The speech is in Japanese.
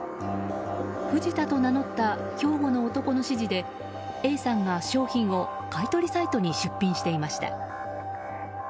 藤田と名乗った兵庫の男の指示でＡさんが商品を買い取りサイトに出品していました。